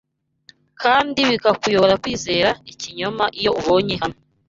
Kandi bikakuyobora kwizera ikinyoma Iyo ubonye hamwe